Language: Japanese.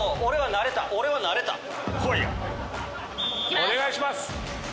お願いします。